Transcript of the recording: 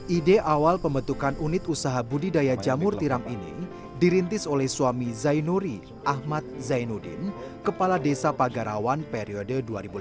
ide awal pembentukan unit usaha budidaya jamur tiram ini dirintis oleh suami zainuri ahmad zainuddin kepala desa pagarawan periode dua ribu lima belas dua ribu